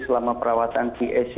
selama perawatan di ac